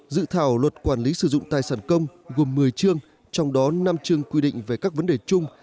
dự thảo luật quản lý sử dụng tài sản công gồm một mươi chương trong đó năm chương quy định về các vấn đề chung